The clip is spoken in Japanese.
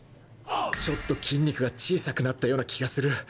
ちょっと筋肉が小さくなったような気がする